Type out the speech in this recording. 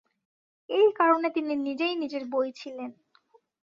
এই কারণে তিনি নিজেই নিজের বই ছিলেন।